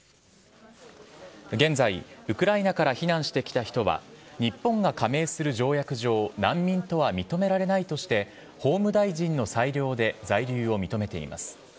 現在、ウクライナから避難してきた人は、日本が加盟する条約上、難民とは認められないとして、法務大臣の裁量で在留を認めています。